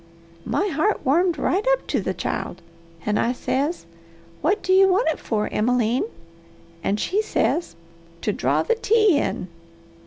My heart warmed right up to the child, and I says, 'What do you want it for, Emmeline?' And she says, 'To draw the tea in.'